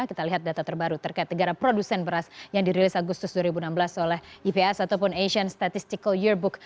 kita lihat data terbaru terkait negara produsen beras yang dirilis agustus dua ribu enam belas oleh ips ataupun asian statistical yearbook